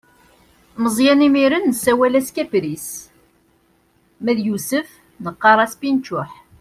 Meẓyan imir-n nessawal-as kapris, ma yusef neqqaṛ-as pinčuḥ.